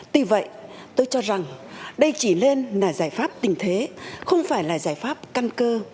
tuy vậy tôi cho rằng đây chỉ lên là giải pháp tình thế không phải là giải pháp căn cơ